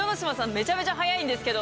めちゃめちゃ早いんですけど。